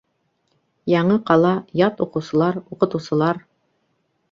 Яңы ҡала, ят уҡыусылар, уҡытыусылар.